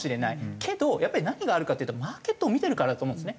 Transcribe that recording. けどやっぱり何があるかっていうとマーケットを見てるからだと思うんですね。